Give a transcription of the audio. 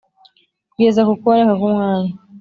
Kugeza Ku Kuboneka K Umwami